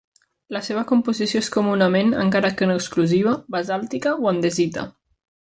La seva composició és comunament, encara que no exclusiva, basàltica o andesita.